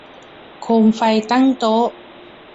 โคมไฟตั้งโต๊ะ